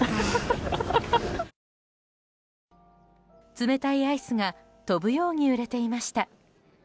冷たいアイスが飛ぶように売れていました。